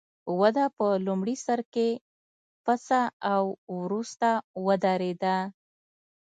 وده په لومړي سر کې پڅه او وروسته ودرېده.